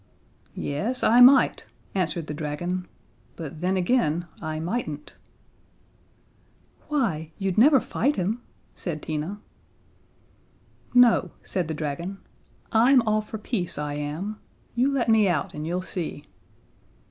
"Yes, I might," answered the dragon, "but then again I mightn't." "Why you'd never fight him?" said Tina. "No," said the dragon; "I'm all for peace, I am. You let me out, and you'll see."